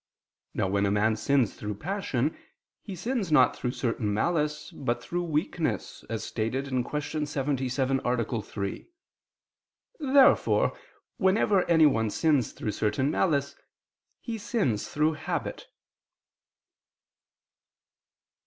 Now when a man sins through passion, he sins not through certain malice, but through weakness, as stated (Q. 77, A. 3). Therefore whenever anyone sins through certain malice, he sins through habit.